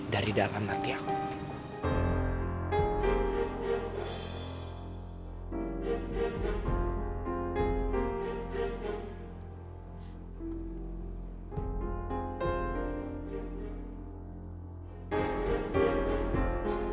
dari dalam hati aku